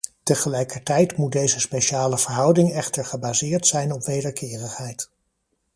Tegelijkertijd moet deze speciale verhouding echter gebaseerd zijn op wederkerigheid.